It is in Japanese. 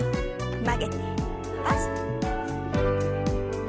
曲げて伸ばして。